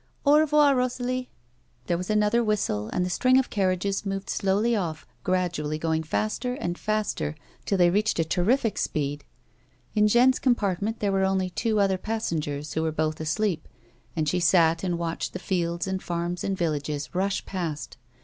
Au revoir; Eosalie." There was another whistle, and the string of carriages moved slowly ofiF, gradually going faster and faster, till they reached a terrific speed. In Jeanne's compartment there were only two other passengers, who were both asleep, and she sat and watclied the fields and farms and villages rush past.